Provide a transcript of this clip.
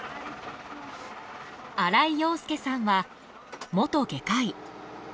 荒井陽介さんは元外科医。